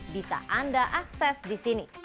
bisa anda akses disini